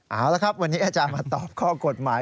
เอาละครับวันนี้อาจารย์มาตอบข้อกฎหมาย